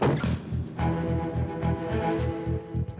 padahal jangan lupa ya pak